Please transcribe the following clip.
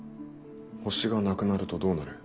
星がなくなるとどうなる？